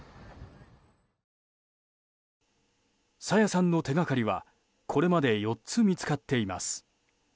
朝芽さんの手がかりはこれまで４つ見つかっています。